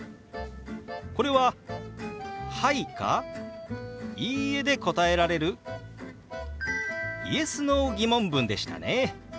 これは「はい」か「いいえ」で答えられるＹｅｓ／Ｎｏー疑問文でしたね。